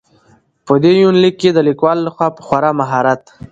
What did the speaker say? په دې يونليک کې د ليکوال لخوا په خورا مهارت.